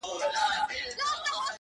شــاعــر دمـيـني ومه درد تــه راغــلـم”